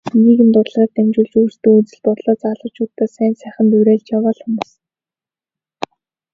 Нийгэмд урлагаар дамжуулж өөрсдийн үзэл бодлоороо залуучуудаа сайн сайханд уриалж яваа л хүмүүс.